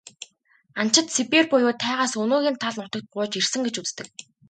Анчид Сибирь буюу тайгаас өнөөгийн тал нутагт бууж ирсэн гэж үздэг.